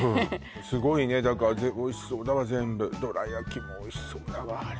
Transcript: スゴいねだからおいしそうだわ全部どら焼きもおいしそうだわあれ